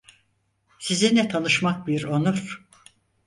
Sizinle tanışmak bir onur.